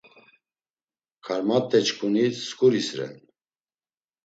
Karmat̆eçkuni skuris ren.